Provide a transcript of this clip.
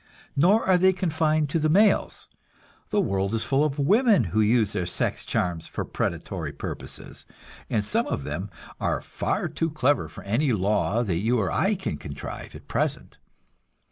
Nor are they confined to the males; the world is full of women who use their sex charms for predatory purposes, and some of them are far too clever for any law that you or I can contrive at present.